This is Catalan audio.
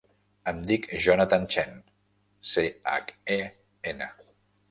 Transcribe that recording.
Em dic Jonathan Chen: ce, hac, e, ena.